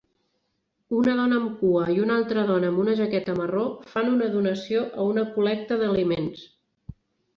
Una dona amb cua i una altra dona amb una jaqueta marró fan una donació a una col·lecta d"aliments.